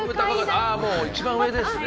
ああもう一番上ですね